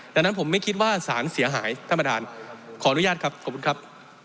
แล้วผมไม่คิดว่าสารเสียหายสั้นบะนขออนุญาตครับขอบคุณครับ